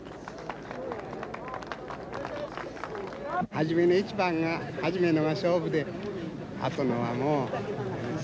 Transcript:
初めの一番が初めのが勝負であとのはもう。